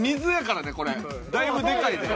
だいぶでかいぞ。